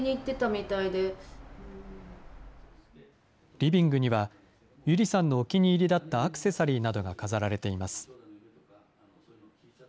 リビングには、友梨さんのお気に入りだったアクセサリーなどが飾られています。